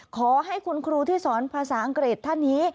ขอให้คุณครูที่สอนภาษาอังกฤษท่านนี้